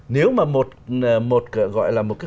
nếu mà một gọi là một cái khối quản lý